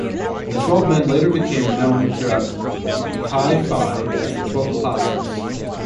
The twelve men later became known throughout Chi Phi as the "Twelve Apostles".